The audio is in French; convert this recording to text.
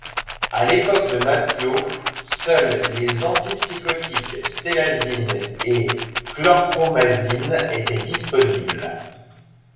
A l'époque de Maslow, seuls les anti-psychotiques stelazine et chlorpromazine étaient disponibles.